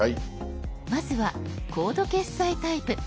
まずはコード決済タイプ。